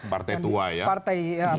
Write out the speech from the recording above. partai tua ya